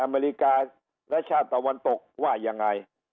อเมริกาและชาติตะวันตกว่ายังไง